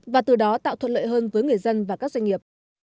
và từ đó tạo thuận lợi hơn với người dân và các doanh nghiệp